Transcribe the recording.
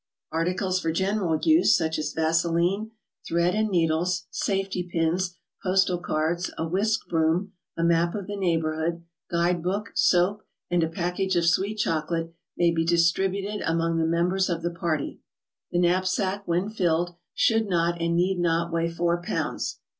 Articles for general use, such as vaseline, thread and needles, safety pins, postal cards, a whisk broom, a map of the neighborhood, guide book, soap, and a package of sweet chocolate, may be distributed among the members of the party. The knapsack, when filled, should not and need not weigh four pounds.